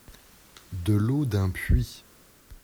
De l’eau d’un puits.